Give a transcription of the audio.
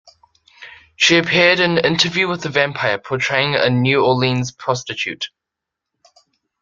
She appeared in "Interview with the Vampire" portraying a New Orleans prostitute.